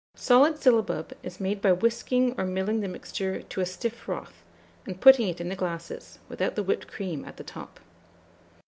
Solid syllabub is made by whisking or milling the mixture to a stiff froth, and putting it in the glasses, without the whipped cream at the top.